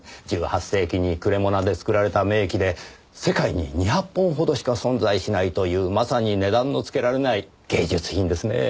１８世紀にクレモナで作られた名器で世界に２００本ほどしか存在しないというまさに値段のつけられない芸術品ですねぇ。